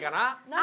何？